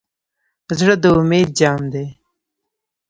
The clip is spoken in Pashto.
زړه د امید جام دی.